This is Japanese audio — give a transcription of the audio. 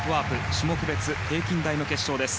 種目別、平均台の決勝です。